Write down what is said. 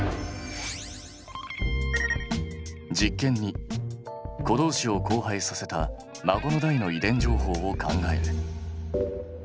実験２子どうしを交配させた孫の代の遺伝情報を考える。